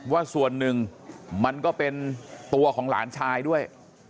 ว่าส่วนหนึ่งมันก็เป็นตัวของหลานชายด้วย